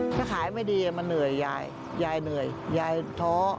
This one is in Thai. ถ้าขายไม่ดีมันเหนื่อยยายยายเหนื่อยยายเทาะยายหมดกำลังใจที่จะสู้